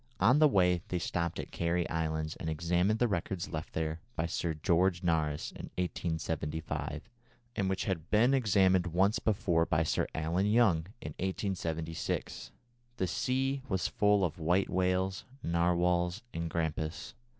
On the way they stopped at Cary Islands and examined the records left there by Sir George Nares in 1875, and which had been examined once before by Sir Allen Young, in 1876. The sea was full of white whales, narwhals, and grampus.